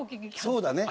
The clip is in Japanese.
そうだね。